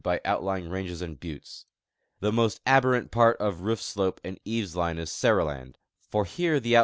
y outlying ranges and buttes. The most aberrant part of roof slojie and eaves line is Seriland; hirhere the outl.